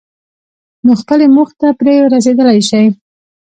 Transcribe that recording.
نو خپلې موخې ته پرې رسېدلای شئ.